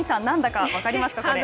何だか分かりますか。